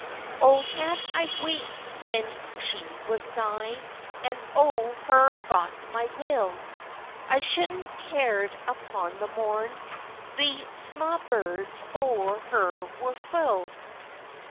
"O had I waked when she was nigh, And o her got my will, I shoudna cared upon the morn The sma birds o her were fill."